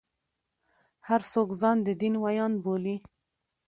هر څوک ځان د دین ویاند بولي.